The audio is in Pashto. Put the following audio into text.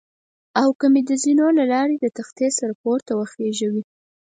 او که مې د زینو له لارې د تختې سره پورته وخېژوي.